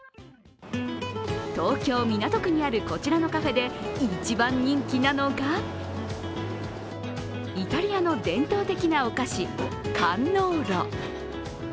東京・港区にあるこちらのカフェで一番人気なのがイタリアの伝統的なお菓子、カンノーロ。